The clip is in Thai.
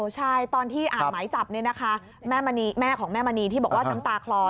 ใช่ตอนที่อ่านหมายจับเนี่ยนะคะแม่ของแม่มณีที่บอกว่าน้ำตาคลอ